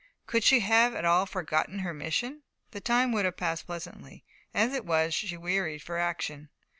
Could she have at all forgotten her mission, the time would have passed pleasantly; as it was, she wearied for action.